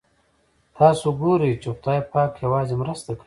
تاسو ګورئ چې خدای پاک یوازې مرسته کوي.